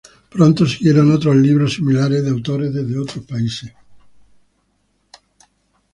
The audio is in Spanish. Pronto siguieron otros libros similares de autores desde otros países.